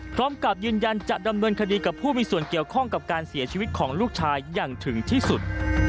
พร้อมกับยืนยันจะดำเนินคดีกับผู้มีส่วนเกี่ยวข้องกับการเสียชีวิตของลูกชายอย่างถึงที่สุด